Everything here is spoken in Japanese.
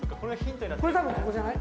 これたぶんここじゃない？